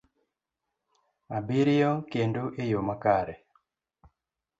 abiriyo kendo e yo makare.